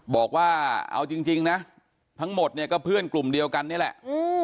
บอกว่าเอาจริงนะทั้งหมดเนี่ยก็เพื่อนกลุ่มเดียวกันนี่แหละ